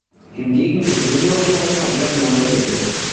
Hingegen ist Windows Phone komplett neu entwickelt.